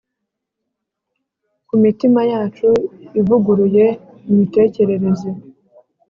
kumitima yacu ivuguruye imitekerereze